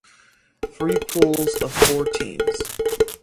Three pools of four teams.